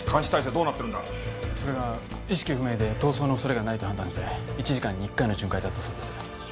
それが意識不明で逃走の恐れがないと判断して１時間に１回の巡回だったそうです。